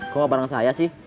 kok gak bareng saya sih